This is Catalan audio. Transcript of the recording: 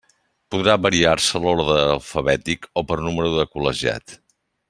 Podrà variar-se l'orde alfabètic o per número de col·legiat.